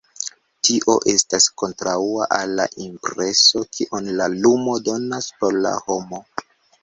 Tio estas kontraŭa al la impreso kion la lumo donas por la homo.